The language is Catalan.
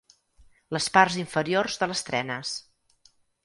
Les parts inferiors de les trenes.